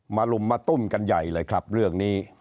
ลุมมาตุ้มกันใหญ่เลยครับเรื่องนี้